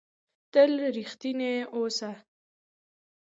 تل رښتنی اوسهٔ.